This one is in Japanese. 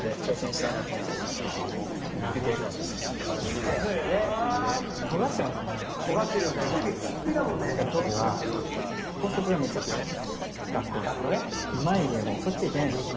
たしか当時は校則がめっちゃ厳しかったんですよ。